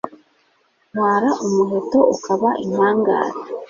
ntwara umuheto ukaba impangare